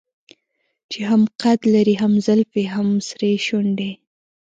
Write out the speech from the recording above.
چې هم قد لري هم زلفې هم سرې شونډې.